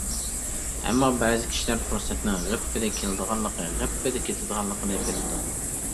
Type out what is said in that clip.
ئەمما بەزى كىشىلەر پۇرسەتنىڭ غىپپىدە كېلىدىغانلىقى، غىپپىدە كېتىدىغانلىقىنى بىلىدۇ.